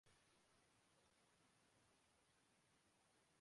تیسری بات یہ کہ اداروں کو اب مضبوط ہو نا چاہیے۔